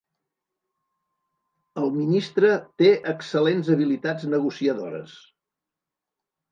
El ministre té excel·lents habilitats negociadores.